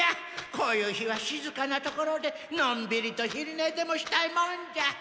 こういう日はしずかなところでのんびりと昼ねでもしたいもんじゃ。